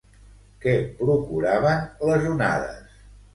Què procuraven les onades?